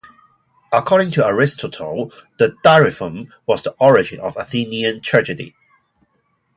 According to Aristotle, the dithyramb was the origin of Athenian tragedy.